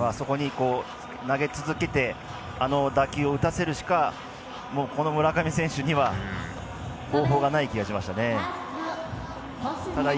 あそこに投げ続けてあの打球を打たせるしかこの村上選手には方法がない気がしましたね。